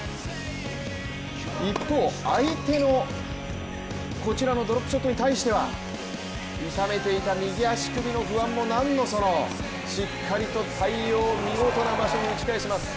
一方、相手のこちらのドロップショットに対しては痛めていた右足首の不安も何のそのしっかりと対応、見事な場所に打ち返します。